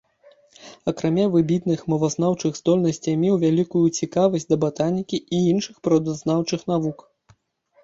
Акрамя выбітных мовазнаўчых здольнасцей меў вялікую цікавасць да батанікі і іншых прыродазнаўчых навук.